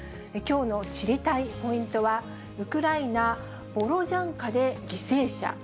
きょうの知りたいポイントは、ウクライナ・ボロジャンカで犠牲者。